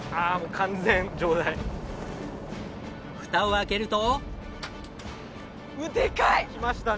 フタを開けると。